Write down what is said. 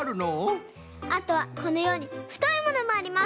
あとはこのようにふといものもあります。